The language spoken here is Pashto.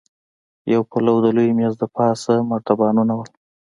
يو پلو د لوی مېز دپاسه مرتبانونه وو.